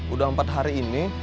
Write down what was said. udah empat hari ini